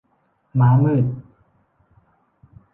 ม้ามืด